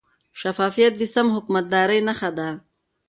شفافیت د سم حکومتدارۍ نښه ده.